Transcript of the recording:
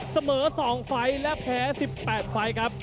เสมอ๒ไฟล์และแพ้๑๘ไฟล์ครับ